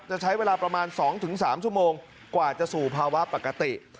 จะใช้เวลาประมาณ๒๓ชั่วโมงกว่าจะสู่ภาวะปกติ